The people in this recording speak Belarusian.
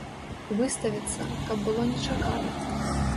Выставіцца, каб было нечакана.